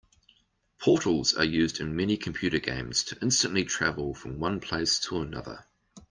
Portals are used in many computer games to instantly travel from one place to another.